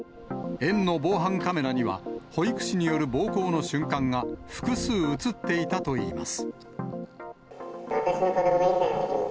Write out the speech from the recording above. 園の防犯カメラには保育士による暴行の瞬間が、複数写っていたといいます。